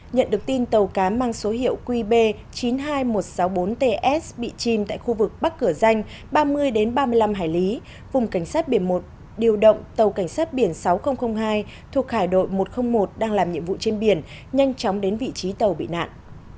nhận được tin tàu cá mang số hiệu qb chín mươi hai nghìn một trăm sáu mươi bốn ts bị chìm tại khu vực bắc cửa danh ba mươi ba mươi năm hải lý vùng cảnh sát biển một điều động tàu cảnh sát biển sáu nghìn hai thuộc hải đội một trăm linh một đang làm nhiệm vụ trên biển nhanh chóng đến vị trí tàu bị nạn